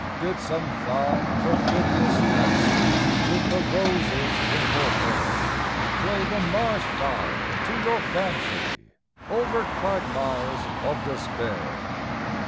Did some fine perfidious Nancy, With the roses in her hair, Play the marsh fire to your fancy Over quagmires of despair?